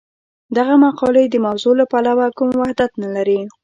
دغه مقالې د موضوع له پلوه کوم وحدت نه لري.